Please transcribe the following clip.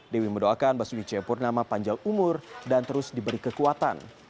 dewi mendoakan basuki cepurnama panjang umur dan terus diberi kekuatan